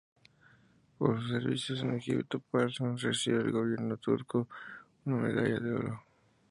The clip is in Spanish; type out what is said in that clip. Por sus servicios en Egipto Parsons recibe del gobierno turco una medalla de oro.